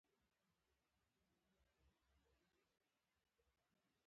د حکومت پر ضد باغیانو ته سخته سزا ورکول کېده.